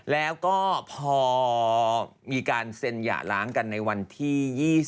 แล้วก็พอมีการเซ็นหย่าล้างกันในวันที่๒๒